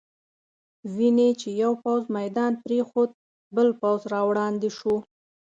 وینې چې یو پوځ میدان پرېښود، بل پوځ را وړاندې شو.